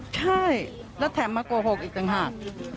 ใช่แล้วแถมมาโกหกอีกต่างหาก